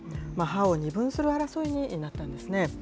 派を二分する争いになったんですね。